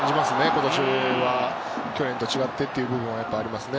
今年は、去年と違ってという部分はありますね。